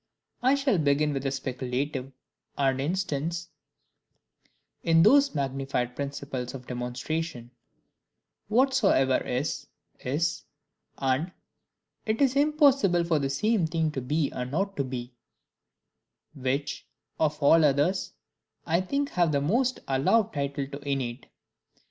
I shall begin with the speculative, and instance in those magnified principles of demonstration, "Whatsoever is, is," and "It is impossible for the same thing to be and not to be"; which, of all others, I think have the most allowed title to innate.